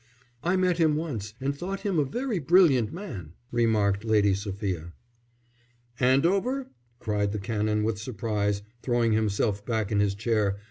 "I met him once and thought him a very brilliant man," remarked Lady Sophia. "Andover?" cried the Canon, with surprise, throwing himself back in his chair.